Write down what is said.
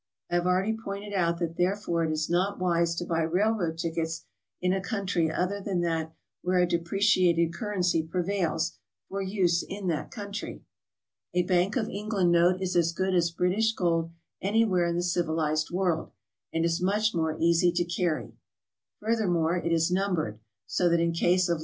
I have already pointed out that therefore it is not wise to buy railroad tickets in a country other than that where a depreci ated currency prevails, for use in that country. A Bank of England note is as good as British gold anywhere in the civilized world, and is much more easy to carry. Furthermore, it is numbered, so that in case of GOING ABROAD?